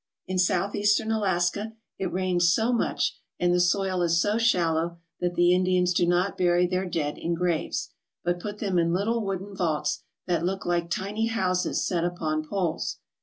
In Southeastern Alaska it rains so much and the soil is so shallow that the Indians do not bury their dead in graves, but put them in little wooden vaults that look like tiny houses set upon poles.